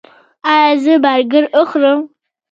ایا زه برګر وخورم؟